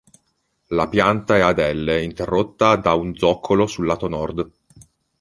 La pianta è ad elle interrotta da un zoccolo sul lato nord.